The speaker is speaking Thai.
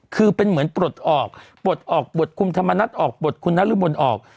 คือเป็นเหมือนปลดออกปลดออกบทคุณธรรมนัสออก